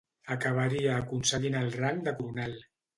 Acabaria aconseguint el rang de coronel.